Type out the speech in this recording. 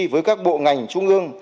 với các bộ ngành trung ương